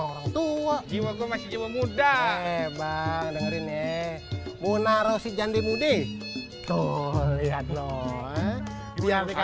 orang tua jiwa jiwa muda emang dengerin ya punar osy jandimu deh tuh lihat loh biar